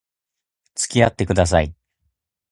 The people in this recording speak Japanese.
付き合ってください